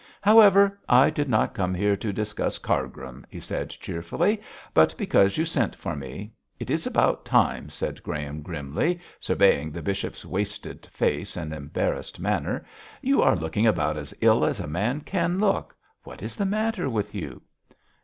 'However, I did not come here to discuss Cargrim,' he said cheerfully, 'but because you sent for me. It is about time,' said Graham, grimly, surveying the bishop's wasted face and embarrassed manner. 'You are looking about as ill as a man can look. What is the matter with you?'